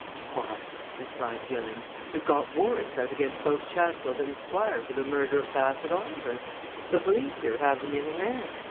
"Why," replied Gilling, "we've got warrants out against both Chatfield and the Squire for the murder of Bassett Oliver! the police here have them in hand.